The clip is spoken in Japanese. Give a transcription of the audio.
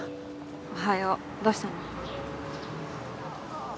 おはようどうしたの？